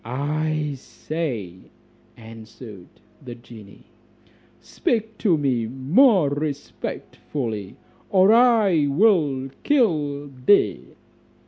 "I say," answered the genie, "speak to me more respectfully, or I will kill thee."